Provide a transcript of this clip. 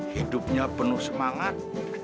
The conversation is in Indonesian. hidupnya penuh semangat